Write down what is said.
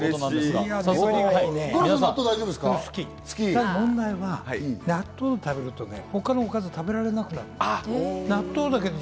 ただ、納豆を食べると、他のおかずを食べられなくなる。